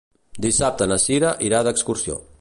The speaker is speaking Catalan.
Dissabte na Sira irà d'excursió.